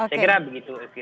saya kira begitu